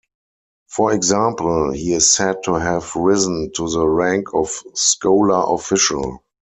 For example, he is said to have risen to the rank of scholar-official.